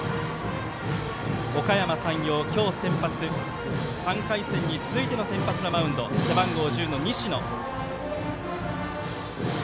おかやま山陽今日先発、３回戦に続いての先発のマウンド背番号１０の西野。